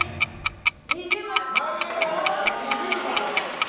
二重丸！